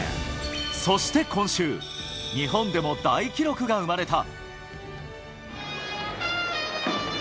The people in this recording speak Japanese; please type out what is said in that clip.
そして今週、日本でも大記録が生まれた。